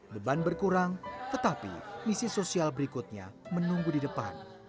beban berkurang tetapi misi sosial berikutnya menunggu di depan